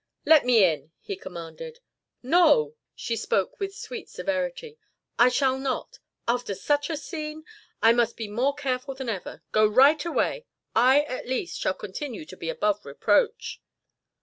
"Let me in!" he commanded. "No!" She spoke with sweet severity. "I shall not. After such a scene? I must be more careful than ever. Go right away. I, at least, shall continue to be above reproach."